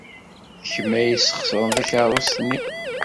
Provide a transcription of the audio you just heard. D kemm ay yesxeṣren takeṛṛust-nni.